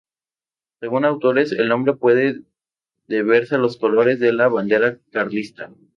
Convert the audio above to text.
Según autores el nombre puede deberse a los colores de la bandera carlista.